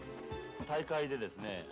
大会でですね